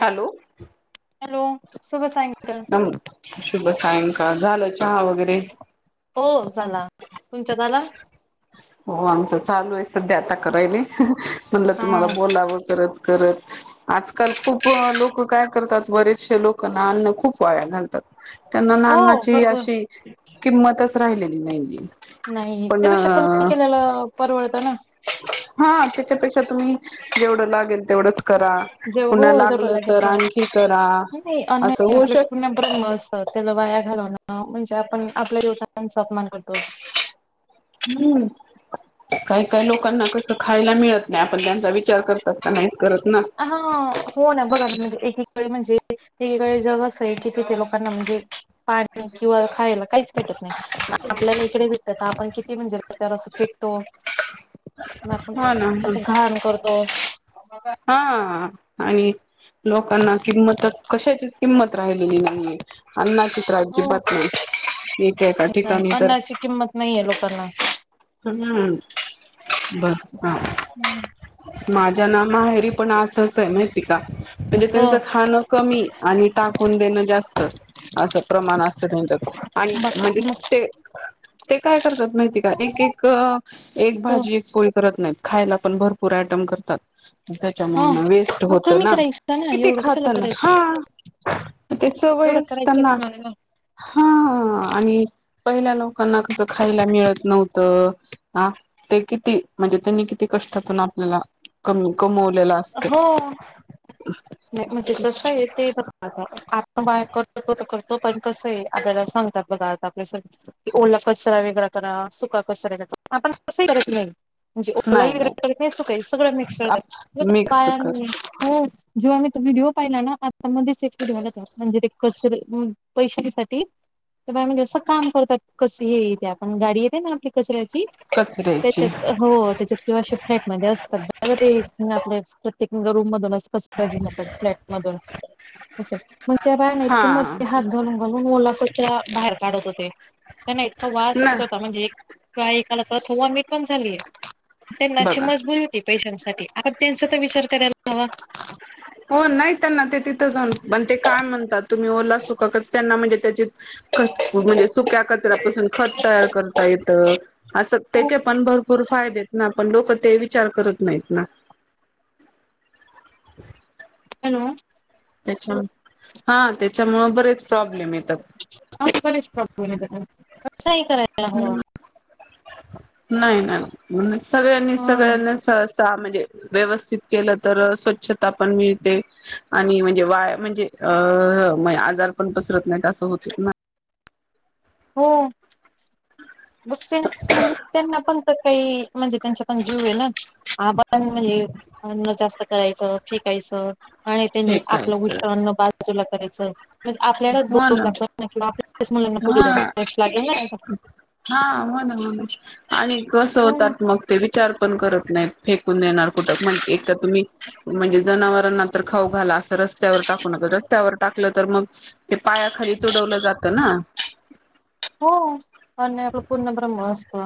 Hello, hello, शुभ सायंकाल. थाम ग शुभ सायंकाळ झालं चहा वगैरे. हो झाला तुमच्या झाला. हो आमच चालू आहे सध्या आता करायला म्हणलं हा तुम्हाला बोलावं करत. करत आजकाल खूप लोक काय करतात बरेचसेे लोक. लोका ना अन्न खूप वाया घालतात त्यांना हो आनाची बरोबर अशी. किंमतच राहिलेली नाहीली निट. नाही तेपेक्षा कमी केलेलं परवडतं ना. हा त्याच्यापेक्षा तुम्ही जेवढं लागेल तेवढंच करा. जेव पुन्हा लागलं तर आणखी करा. अन असं होऊ आप शक [inaudible] अस त्याला वाया घालवणं म्हणजे आपण आपल्या जेवताच अपमान करतो. हँ [inaudible] हम्म काही काही लोकांना कसं. खायला मिळत नाही आपण त्यांचा विचार करतात का नाहीत करत ना. हा हो ना बरोबर म्हणजे एकीकडे म्हणजे. एककडे जग अस आहे की तिथे लोकांना म्हणजे पाणी किंवा खायला काहीच. भेटत नाही आपल्याला इकडे भेटत आपण किती म्हणजे रस्त्यावर फेकतो. म आपण हा ना कस घाण करतो. हा आणि. लोकांना किंमतच कशाचीच किंमत राहिलेली नाहीये अन्नाची. तर आजी हो बात नाही. एका एका नाही ठिकाणी तर अन्नाची किंमत नाहीये लोकांना. ह हम बर ह माझ्या ना. माहेरी पण असच आहे माहिती का म्हणजे हो त्यांच खाण. कमी आणि टाकून देणं जास्त असं प्रमाण असतं त्यांचत. आणि बघ म्हणजे मग ते. ते काय करतात माहिती का एक एक एक हो भाजी एक पोळी करत नाहीत खायला पण भरपूर. भारपूर ऍटम करतात. त्याच्यामूळ हा ना वेस्ट मग होत कमी ना करायचं ना किती एवढं कशाला खातना करायचं हा. ते एवढं सवयच करायचंच त्यांना नाही ना हा हा आणि पहिल्या लोकांना कसं खायला मिळत नव्हतं. हा ते किती म्हणजे त्यांनी किती कष्टातून आपल्याला कमवलेल असते. हो नाही म्हणजे जस ऐकक अ आपण बाय करतो तर करतो पण कसये आपल्याला सांगतात बघा आता आपले सग की ओला कचरा वेगळा करा सुका कचरा वेगळा आपण कसंही करत नाही. म्हणजे नाही नाही ओलाही [unintelligible] सगळ मिक्स आप मिक्स कर व्हायलय. [unintelligible] जेव्हा मी तो व्हिडिओ पाहिला ना [unintelligible] सेफ व्हिडिओ त्याचा म्हणजे ते कॉन्स्टेबल होऊन पैशांच्या पाठी ते बाय म्हणजे कसं काम करतात कस ही त्या आपण गाडी येते ना आपली कचऱ्याची कचऱ्याची त्याच्यात हो त्याच्यात किंवा असे फ्लॅट मध्ये असतात [unintelligible] प्रत्येक रूम मधून [unintelligible] फ्लॅट मधून अस पण त्या बाया नाईत हा का मग. [unintelligible] घालून घालून ओला कचरा बाहेर काढत होते त्यांना इतका वास ना येत होता म्हणजे एक त्या एकाला अस वोमिट पण झाली त्यांना अशी बघा मजबुरी होती पैशांनसाठी आता त्यांचा तर विचार करायला हवा. हो नाही त्यांना ते तिथं जाऊन पण ते काय म्हणतात. तुम्ही ओला सुका क त्यांना म्हणजे त्याचीच खत म्हणजे सुक्या कचऱ्यापासून खत तयार करता येतं. असं त्याचे पण भरपूर फायदेत ना पण लोक ते विचार करत नाहीत ना हॅलो. त्याच्या हा त्याच्यामूळ बरेच प्रॉब्लेम येतात. [unintelligible] अस ही करायला हवा. नाही ना म्हणून सगळ्यांनी हा सगळ्यांना सहसा म्हणजे व्यवस्थित केलं तर स्वच्छता पण मिळते. आणि म्हणजे वाया म्हणजे अ आजार पण पसरत नाही असं होत ना हो [unintelligible] त्यांना पण तर काही म्हणजे त्यांचा पण जीवयेना [unintelligible] म्हणजे अन्न जास्त करायचं फेकायचं आणि त्यांनी आपलं फेकायचं उष्ट अन्न बा बाजूला करायचेय. म्हणजे आपल्याला हो दोष ना लागतो कि आपल्या मुलांना पुढे जाऊ हा दोष लागेल ना आता हा म्हणून आणि कसं ना होतात मग ते विचार पण करत नाहीत. फेकून देणार कुठपण एक तर तुम्ही म्हणजे जनावरांना तर खाऊ घाला असं रस्त्यावर टाकू नका रस्त्यावर टाकलं तर मग ते पायाखाली तुडवलं जातं ना. हो अन्न हे पूर्णब्रह्म असत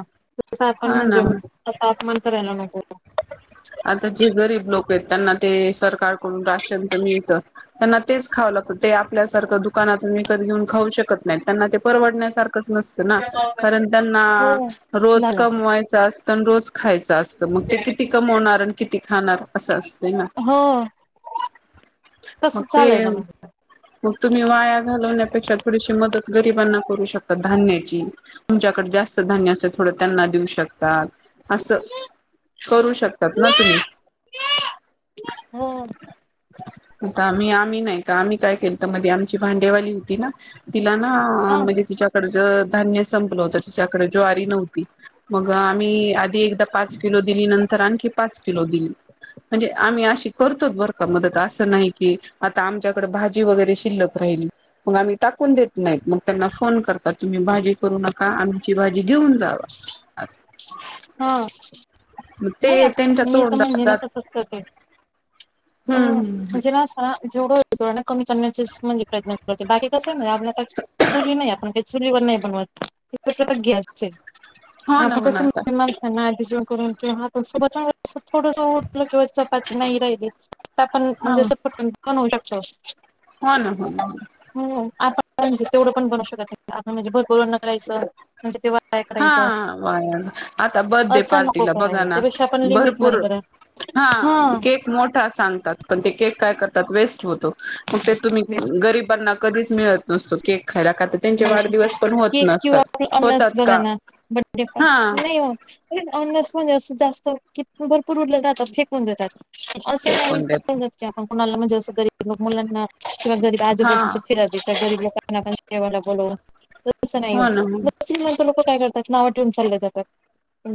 तस आपण हा म्हणजे ना त्याचा अपमान करायला नको. आता जे गरीब लोक आहेत त्यांना ते सरकारकडून राशनच मिळत त्यांना तेच खावं लागतं ते आपल्यासारखं दुकानातून विकत घेऊन खाऊ शकत नाही त्यांना ते परवडण्यासार कस नसत ना कारण त्यांना हो रोज झालं कमवायचं असत अन् रोज खायचं असतं मग ते किती [unintelligible] किती खाणार अस असतय ना हो मग तसच ते झालंय ना म्हणजे मग तुम्ही वाया घालवण्यापेक्षा थोडीशी मदत गरिबांना करू शकता धान्याची तुमच्याकडे जास्त धान्य असेल थोडं त्यांना देऊ शकतात असं करू श करतात ना तुम्ही? हो हो का? आम्ही -आम्ही नाही का? आम्ही काय केलत मधी आमची भांडीवाली होती ना? तिला ना हा म्हणजे तिच्या कडच धान्य संपलं होतं त तिच्याकडे ज्वारी नव्हती. मग आम्ही आधी एकदा पाच किलो दिली नं तर आणखी पाच किलो दिली म्हणजे आम्ही अशी करतोच बरं का मदत असं नाही की आता आमच्याकडे भाजी वगैरे शिल्लक राहिली. मग आम्ही टाकून देत नाहीत. मग त्यांना फोन करतात. तुम्ही भाजी करू नका. आमची भाजी घेऊन जावा. अस. हा. मग नाही ते त्यांच्या आता मी तर म्हणजे ना तोंडात तसच करते. अ हम्म म्हणजे ना अस हा जेवढ [unintelligible] कमी करण्याचेच म्हणजे प्रयत्न करते बाकी कसय आहे माहितीय का आपले आता चुली नाही आपण काही चुलीवर नाही बनवत [unintelligible] गॅसचे हो ना आता हो कस ना [unintelligible] आधी जेवन करून किंवा हात सोबत [unintelligible] थोडस उठलं किंवा चपाती नाही राहिली आपण म्हणजे हो असं पटकन पण होऊ शकत. हो ना हो ना हो हो आपण तेवढं पण बनू शकत नाही आपण म्हणजे भरपूर न करायचं म्हणजे तेव्हा हा पण आता बर्थडे पार्टी असं नको पार्टीला बघा करायला ना त्यापेक्षा आपण भरपूर लिमिटमध्ये करा हा केक मोठा सांगतात. पण ते केक काय करतात? वेस्ट होतो. मग ते तुम्ही गरिबांना कधीच मिळत नसतो केक खायला ख त्यांचे वाढदिवस पण होत नसतात. होतात. हो का ना बर्थडे हा पार्टी पण नाही होत. अन्नस म्हणजे अस जास्त कि भरपूर उरलेलं जातात फेकून देतात. असं फेकून देत [unintelligible] आपण कुणाला म्हणजे असं गरीब लोक मुलांना किंवा जरी हा आजूबाजूच फिरा तर गरीब लोकांना आपण जेवायला बोलवा तसं नाही हो ना नसिंगला तर लोक काय करतात नावं ठेऊून चालले जातात.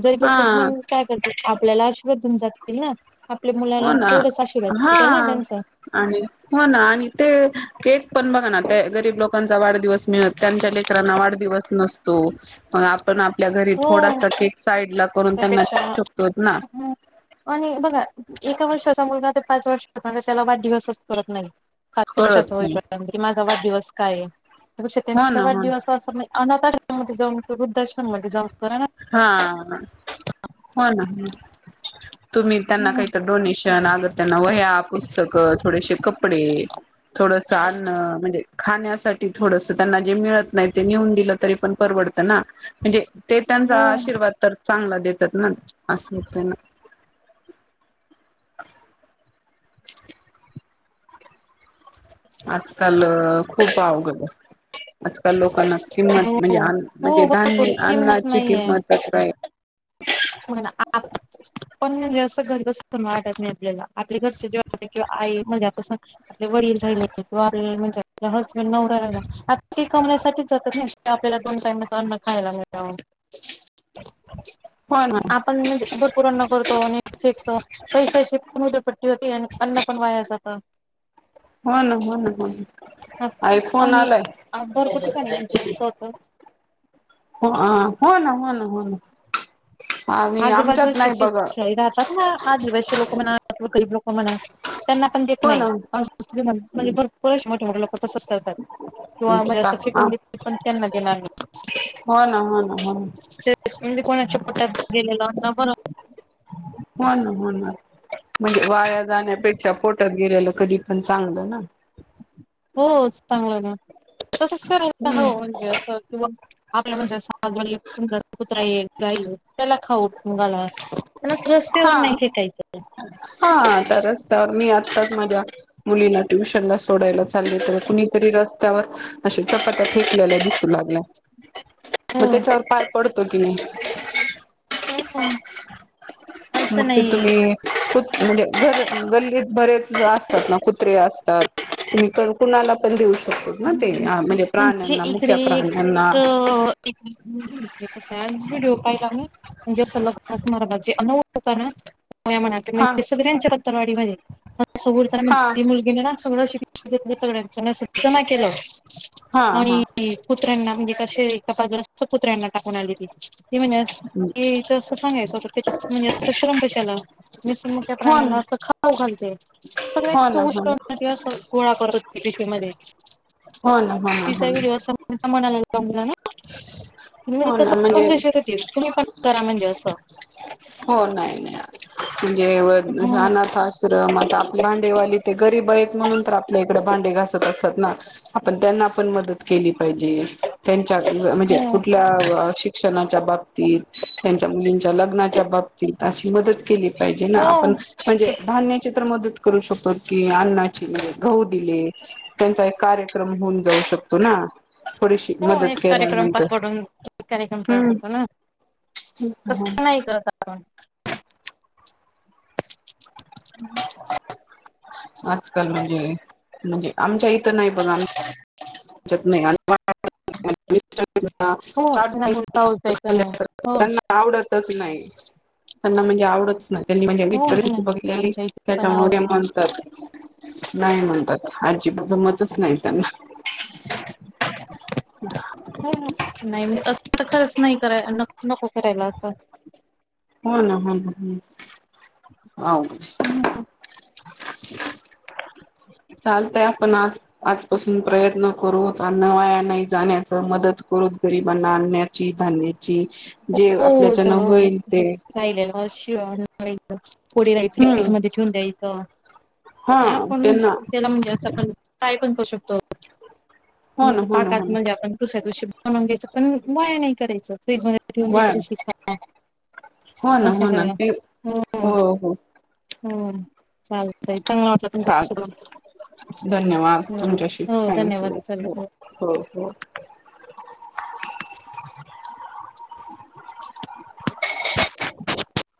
जरी ब खूप हा मण काय करत आपल्याला आशिर्वाद देऊन जातात. देतील ना? आपल्या हो मुलाला ना तेवढाच आशिर्वाद हा भेटल ना त्यांचा. आणि हो ना आणि ते केक पण बघा ना ते गरीब लोकांचा वाढ दिवस मिळत त्यांच्या लेकरांना वाढदीवस नसतो मग आपण आपल्या घरी थोडासा केक साईड लाख त्या पेक्षा ह आणि बघा एका वर्षाचा मुलगा ते पाच वर्ष करत त्याला वाढदिवसच करत नाही कशाच कळत होई नाही पड की माझा वाढदिवस काय आहे तर त्यापेक्षा हो त्यांच्या ना हो ना वाढदिवस असं म्हण अनाथाश्रम जाऊन वृद्धाश्रम मध्ये जाऊन करा ना. हा हा हो ना तुम्ही त्यांना काहीत डोनेशन त्यांना अग त्यांना वह्या पुस्तकं थोडेशे कपडे थोडस अन्न म्हणजे खाण्यासाठी थोडस त्यांना जे मिळत नाही ते नेऊन दिलं तरी पण परवडत ना म्हणजे ते हो त्यांचा आशीर्वाद तर चांगला देतात ना. असं हो ना? आजकाल खूप अवघडाय आजकाल लोकांना किंमत म्हणजे अन् म्हणजे हो धान्य भरपूर अन्नाची किंमतच राहीली नाही. हो ना पण म्हणजे असं घरी बसू पण वाटत नाही आपल्याला आपले घरचे जेव्हा किंवा आई म्हणा कस आपले वडील राहिले किंवा आपल्याला म्हणजे आपला हसबेंड नवरा राहिला, आता ते कमवण्यासाठीच ज [unintelligible] आपल्याला दोन टाईमाचं अन्न खायला मिळावं. हो ना आपण म्हणजे‌ ब पूरं अन्न करतो आणि फेकतो पैश्याची पण उधळपट्टी होती आणि अन्न पण वाया जातं. हो ना हो ना हो ना, आई फोन आलाय. जायचं आपण? हा, हो ना हो ना हो ना आणि आमच्यात आजूबाजूचे नाही बघ शेतकरी राहतात ना आदिवासी लोकं म्हणा किंवा गरीब लोकं म्हणा. त्यांना पण देत हो नाही, ना म्हणजे श्रीमं म्हणजे भरपूर अशे मोठे मोठे लोकं तसचं करतात. किंवा म्हणजे असं टाक फेकून देतील पण त्यांना देणार नाही. हो ना हो ना हो ना. म्हणजे कोणाच्या पोटात गेलेलं अन्न बरं होईल. हो ना हो ना. म्हणजे वाया जाण्यापेक्षा पोटात गेलेलं कधी पण चांगलं ना. हो चांगलं ना, तसंच करायचं हो म्हणजे असं किंवा आपल्या म्हणजे असं घरी समजा कुत्रा येईल गाई येईल त्यांना खाऊ घाला. त्याला रस्तेवर नाही फेकायचं ते. ता रस्त्यावर मी आताच माझ्या मुलीला ट्युशनला स सोडायला चालले तर कुणीतरी रस्त्यावर अशे चपात्या फेकलेल्या दिस सु लागल्या, मग हो त्याच्यावर पाय पडतो कि नाही? असं मग ते नाही तुम्ही कुत् म्हणजे घर गल्लीत बरेच असतात ना कुत्रे असतात. कुणी क कुणाला पण देऊ शकतेत ना ते, आ म्हणजे प्राण्यांना मुक्या प्राण्यांना. [unintelligible] तसाच व्हिडिओ पाहिला मी. म्हणजे सलग उपवास [unintelligible] अनुभव होता ना. होय म्हणा ती हा म्हणे सगळ्यांच्या पत्तरवाडी मध्ये, म असं बोलताना म्हणजे हा ती मुलगी तिने ना सगळी शिळं घेतली सगळ्यांचं [unintelligible] जमा केलं. हा हा आणि कुत्र्यांना म्हणजे क शिळी चपाती असती कुत्र्यांना टाकून आली ती. ती म्हणे यायचं असं पण यायचं होतं‌ मग शरम कशाला? [unintelligible] मुक्या हो ना प्राण्यांला असं खाऊ घालते. सगळे हो ना हो उष्ट ना अन्न ती असं गोळा करत होती टिफीनमध्ये. हो ना. हो ना तिचा हो ना व्हिडिओ सर्वांच्या मनाला लागला ना, तिने म्हणजे हो ना तसं म्हणजे [unintelligible] ते तुम्ही पण करा म्हणली असं. हो नाही नाही, म्हणजे व हे हम्म अनाथ आश श्रमात आपले भांडेवाली ते गरीब आहेत, म्हणून तर आपल्या इकडे भांडे घासत असतात ना. आपण त्यांना पण मदत केली पाहिजे. त्यांच्या अ म्हणजे हम्म कुठल्या शिक्षणाच्या बाबतीत, त्यांच्या मुलींच्या लग्ना बाबतीत अशी मदत केली पाहिजे ना, हो आपण म्हणजे धान्य ची तर मदत करू शकतो, की अन्नाची गहू दिले. त्यांचा एक कार्यक्रम होऊन जाऊ शकतो ना? थोडीशी हो एक मदत कार्यक्रम पार केल्यानंतर पडून, एक कार्यक्रम पार पडतो ना. हम्म तसं नाही करत आपण. ह ना. आजकाल म्हणजे, म्हणजे आमच्या इथं नाही बघा आम [inaudible] [unintelligible] हो नाही चावत नाही हो आवडतच नाही त्यांना म्हणजे आवडत नाय. त्यांनी म्हणजे वीट हो परिस्थिती नाही बघितलेली आमच्या इथे पण त्याच्यामुळे ते आवडत नाही म्हणतात नाही म्हणतात आजिब जमतच नाही त्यांना [unintelligible] हो नाही नाय तस त खरंच नाही कराय नक नको करायला असं हो ना हो ना होच अवघड [unintelligible] चालतय आपण आज आजपासून प्रयत्न करूत अन्न वाया नई जाण्याच मदत करूत गरीबांना आणण्याची धान्य ची जे आपल्याच्यान होईल ते राहिलेल म शिळ अन्न [unintelligible] फ्रीज हम्म मध्ये ठेऊन द्यायचं. नाय हा आपण त्यांना म्हणजे त्याला म्हणजे अस काय पण करू शकतो. हो ना नीट हो ना हो ताटात ना म्हणजे आपण दुसऱ्या दिवशी बनवून घ्यायचं पण वाया नाही करायचं बर फ्रीजमध्ये [unintelligible] हो ना असं हो ना करा ते हो. हो नं चालतय चांगल वाटल चालत धन्यवाद बोलून. तुमच्याशी हो थँक धन्यवाद यू चला हो हो हो [unintelligible]